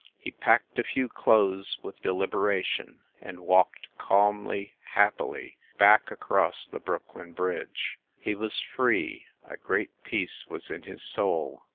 He packed a few clothes with deliberation, and walked calmly, hap pily, back across the Brooklyn Bridge. He was free ; a great peace was in his soul.